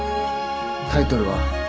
タイトルは？